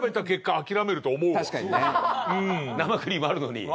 生クリームあるのに。